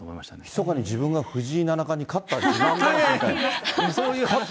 ひそかに自分が藤井七冠に勝ったという自慢話みたいな。